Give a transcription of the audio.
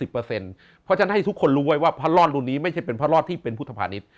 เพราะฉะนั้นให้ทุกคนรู้ไว้ว่าพระรอดรุ่นนี้ไม่ใช่เป็นพระรอดที่เป็นพุทธภานิษฐ์